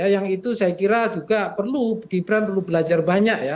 yang itu saya kira juga perlu gibran perlu belajar banyak ya